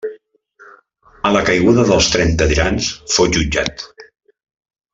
A la caiguda dels Trenta Tirans fou jutjat.